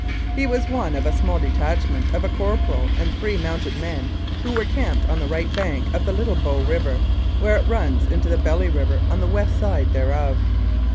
He was one of a small detachment of a corporal and three mounted men who were camped on the right bank of the Little Bow River where it runs into the Belly River on the west side thereof.